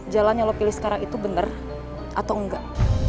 jalan yang lo pilih sekarang itu benar atau enggak